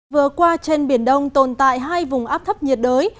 vừa qua trên biển đông tồn tại hai vùng áp thấp nhiệt đới